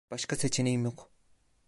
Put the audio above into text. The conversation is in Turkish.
Başka seçeneğim yok.